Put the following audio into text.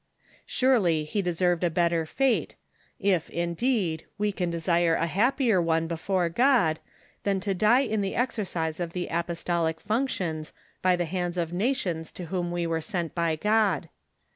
Surely he deserved a better fate, if, indeed, we can desire a happier one before God, than to die in the exorcise of the apostolic functions, by the hands of nations to whom we are sent by God.